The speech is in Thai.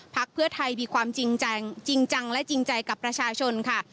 พักเพื่อไทยมีความจริงจังและจริงใจกับประชาชนค่ะ